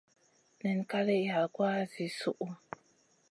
Nay kalèh yagoua zi suʼu.